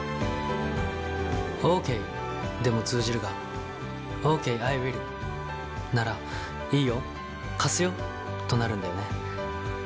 「Ｏｋａｙ」でも通じるが「Ｏｋａｙ，Ｉｗｉｌｌ」なら「いいよ貸すよ」となるんだよね。